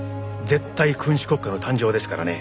絶対君主国家の誕生ですからね。